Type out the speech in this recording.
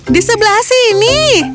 di sebelah sini